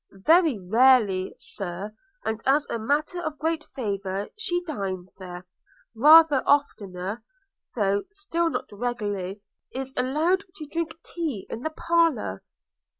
'Very rarely, Sir, and as a matter of great favour she dines there; rather oftener, though still not regularly, is allowed to drink tea in the parlour.'